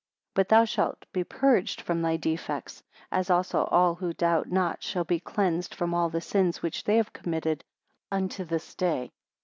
But thou shalt be purged from thy defects, as also all who doubt not shall be cleansed from all the sins which they have committed unto this day.